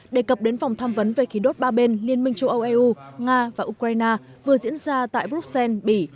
đề cập đến phòng tham vấn về khí đốt ba bên liên minh châu âu eu nga và ukraine vừa diễn ra tại bruxelles bỉ